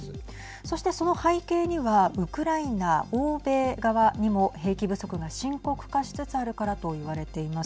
そしてその背景にはウクライナ、欧米側にも兵器不足が深刻化しつつあるからと言われています。